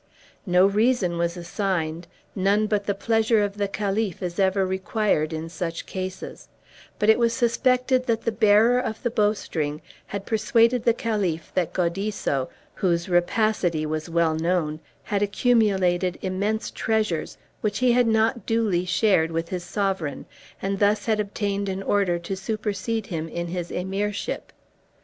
No reason was assigned; none but the pleasure of the Caliph is ever required in such cases; but it was suspected that the bearer of the bow string had persuaded the Caliph that Gaudisso, whose rapacity was well known, had accumulated immense treasures, which he had not duly shared with his sovereign, and thus had obtained an order to supersede him in his Emirship.